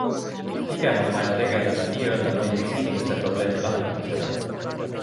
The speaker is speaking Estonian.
Pigem on vaja tegeleda nii-öelda meditsiinilise probleemi lahendamisega.